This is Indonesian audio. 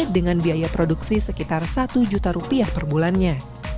dengan biaya produksi sekitar rp satu juta per bulannya